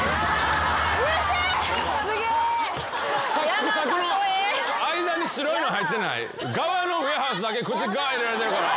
サックサクの間に白いの入ってないガワのウエハースだけ口ガーッ入れられてるから。